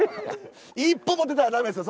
一歩も出たら駄目ですよ